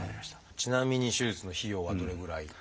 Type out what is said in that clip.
ちなみに手術の費用はどれぐらい？